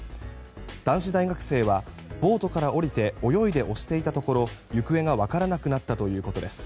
男子大学生はボートから降りて泳いで押していたところ行方が分からなくなったということです。